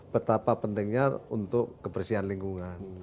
betapa pentingnya untuk kebersihan lingkungan